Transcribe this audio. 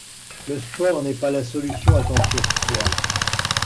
Le sport n'est pas la solution à ton surpoids.